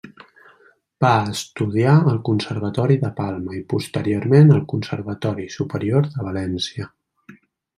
Va estudiar al Conservatori de Palma i posteriorment al Conservatori Superior de València.